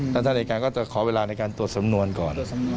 ท่านอายการก็จะขอเวลาในการตรวจสำนวนก่อน